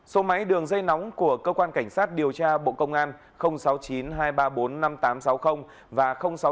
số máy đường dây nóng của cơ quan cảnh sát điều tra bộ công an sáu mươi chín hai trăm ba mươi bốn năm nghìn tám trăm sáu mươi và sáu mươi chín hai trăm ba mươi hai một nghìn sáu trăm sáu mươi